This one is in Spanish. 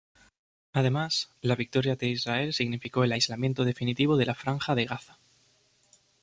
Además, la victoria de Israel significó el aislamiento definitivo de la Franja de Gaza.